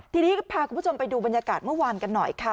ทีนี้พาคุณผู้ชมไปดูบรรยากาศเมื่อวานกันหน่อยค่ะ